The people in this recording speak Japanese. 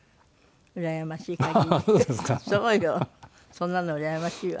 そんなのうらやましいわ。